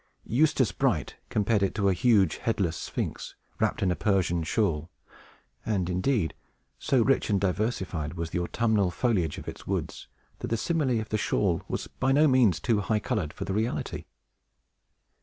Eustace Bright compared it to a huge, headless sphinx, wrapped in a Persian shawl; and, indeed, so rich and diversified was the autumnal foliage of its woods, that the simile of the shawl was by no means too high colored for the reality.